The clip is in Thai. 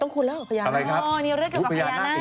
ต้องคุยเลยคุณพญานาคศ์นะคะอย่างไรครับเฮ่ยคุณพญานาคศ์